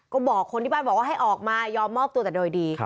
ก็บอกคนที่บ้านบอกว่าให้ออกมายอมมอบตัวแต่โดยดี